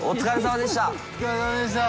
お疲れ様でした！